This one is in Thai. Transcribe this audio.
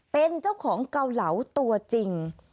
เป็นเจ้าของเกาเหลาตัวจริง